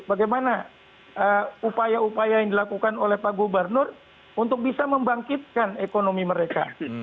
bagaimana upaya upaya yang dilakukan oleh pak gubernur untuk bisa membangkitkan ekonomi mereka